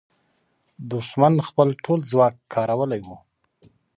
دښمن خپل ټول ځواک کارولی وو.